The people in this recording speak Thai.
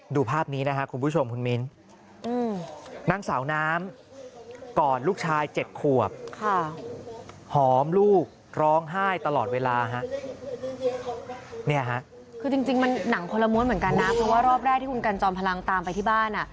ดูภาพนี้คุณผู้ชมคุณมิน